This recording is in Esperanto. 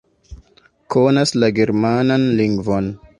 Konas la germanan lingvon.